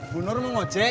bu nur mau ngocek